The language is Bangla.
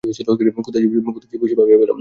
কোথায় যে বসি ভাবিয়া পাইলাম না।